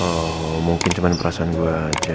oh mungkin cuma perasaan gue aja